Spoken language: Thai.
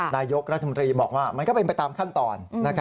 นายกรัฐมนตรีบอกว่ามันก็เป็นไปตามขั้นตอน